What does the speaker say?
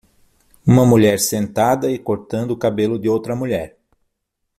Uma mulher sentada e cortando o cabelo de outra mulher.